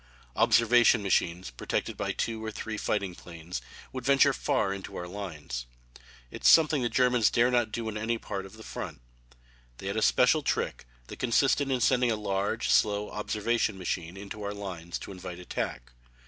Observation machines protected by two or three fighting planes would venture far into our lines. It is something the Germans dare not do on any other part of the front. They had a special trick that consisted in sending a large, slow observation machine into our lines to invite attack.